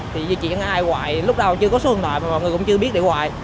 thì chuyện ai hoài lúc đầu chưa có số hồn tội mà mọi người cũng chưa biết để hoài